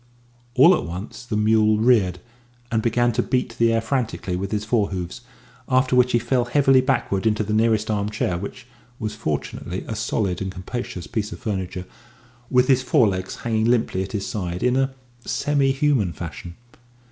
All at once the mule reared, and began to beat the air frantically with his fore hoofs; after which he fell heavily backward into the nearest armchair (which was, fortunately, a solid and capacious piece of furniture) with his fore legs hanging limply at his side, in a semi human fashion.